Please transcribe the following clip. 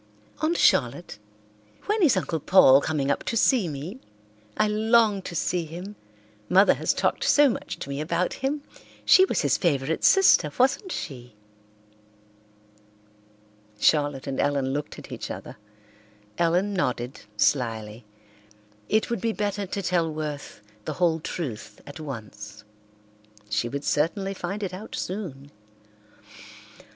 "Aunt Charlotte, when is Uncle Paul coming up to see me? I long to see him; Mother has talked so much to me about him. She was his favourite sister, wasn't she?" Charlotte and Ellen looked at each other. Ellen nodded slyly. It would be better to tell Worth the whole truth at once. She would certainly find it out soon.